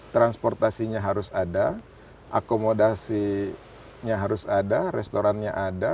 transportasinya harus ada akomodasinya harus ada restorannya ada